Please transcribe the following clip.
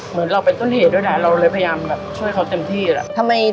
เหมือนเราเป็นต้นเหตุด้วยนะเราเลยพยายามแบบช่วยเขาเต็มที่แหละ